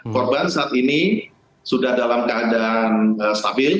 korban saat ini sudah dalam keadaan stabil